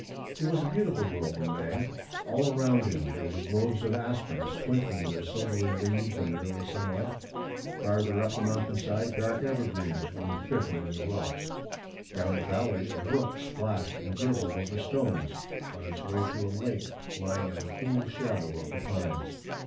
It was a beautiful world in May. All around him there were groves of aspens twinkling their silvery leaves in the early sunlight. Farther up the mountain side dark evergreens grew thick among the rocks. Down the valley a brook splashed and gurgled over stones on its way to a lake lying in the cool shadow of the pines.